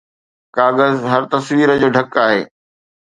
ڪاغذ هر تصوير جو ڍڪ آهي